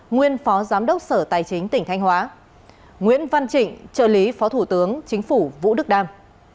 nguyên phó giám đốc sở tài chính tỉnh thanh hóa nguyễn văn trịnh trợ lý phó thủ tướng chính phủ vũ đức đam